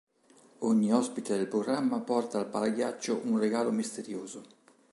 Ogni ospite del programma porta al palaghiaccio un regalo misterioso.